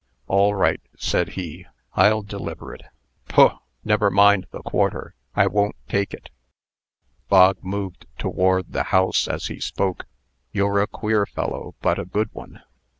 "All right," said he. "I'll deliver it. Poh! never mind the quarter. I won't take it." Bog moved toward the house as he spoke. "You're a queer fellow, but a good one.